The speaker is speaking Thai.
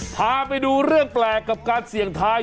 พาไปดูเรื่องแปลกกับการเสี่ยงทาย